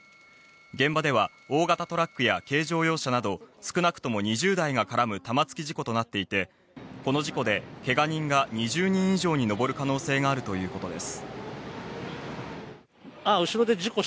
現場では大型トラックや軽乗用車など少なくとも２０台が絡む玉突き事故となっていて、この事故でけが人が２０人以上にのぼる可能性があるということです。